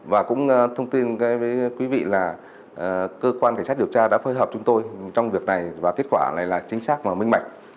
và cũng thông tin với quý vị là cơ quan cảnh sát điều tra đã phối hợp chúng tôi trong việc này và kết quả này là chính xác và minh bạch